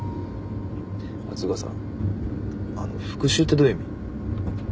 つうかさあの「復讐」ってどういう意味？